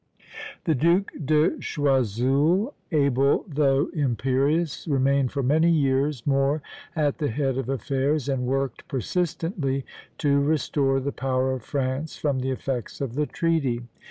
The Duc de Choiseul, able though imperious, remained for many years more at the head of affairs, and worked persistently to restore the power of France from the effects of the treaty.